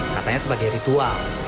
katanya sebagai ritual